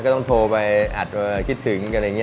ก็ต้องโทรไปอัดคิดถึงกันอะไรอย่างนี้